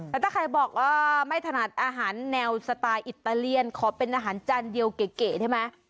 แล้วถ้าใครบอกว่าไม่ถนัดอาหารแนวสไตล์อิตาเลียนขอเป็นอาหารจานเดียวเก๋ได้ไหม